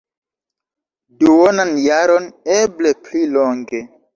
Duonan jaron, eble pli longe.